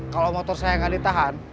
kalau motor saya nggak ditahan